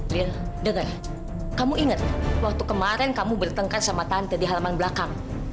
liel denger kamu inget waktu kemarin kamu bertengkar sama tante di halaman belakang